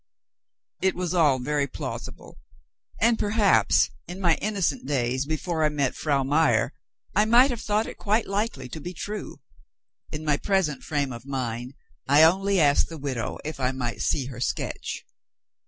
It was all very plausible; and perhaps (in my innocent days before I met with Frau Meyer) I might have thought it quite likely to be true. In my present frame of mind, I only asked the widow if I might see her sketch.